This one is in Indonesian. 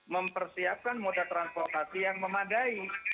mempersiapkan moda transportasi yang memadai